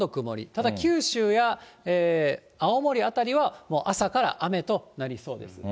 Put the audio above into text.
ただ九州や青森辺りは、もう朝から雨となりそうです。